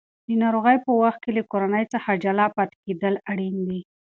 د ناروغۍ په وخت کې له کورنۍ څخه جلا پاتې کېدل اړین دي.